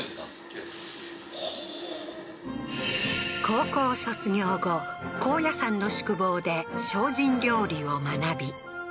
高校卒業後高野山の宿坊で精進料理を学び